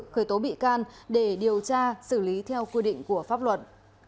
khởi tố bị can để điều tra xử lý theo quy định của pháp luật